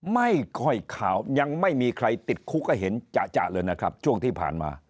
ไม่ค่อยข่าวยังไม่มีใครติดคุกให้เห็นจะเลยนะครับช่วงที่ผ่านมา